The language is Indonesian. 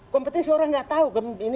kompetensi orang nggak tahu